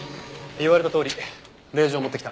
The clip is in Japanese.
言われたとおり令状を持ってきた。